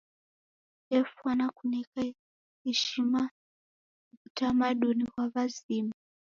Defwana kuneka ishima w'utamaduni ghwa w'azima.